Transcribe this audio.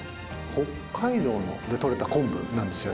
北海道で取れた昆布なんですよ。